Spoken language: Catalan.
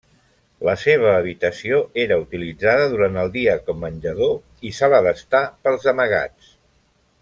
La seva habitació era utilitzada durant el dia com menjador i sala d'estar pels amagats.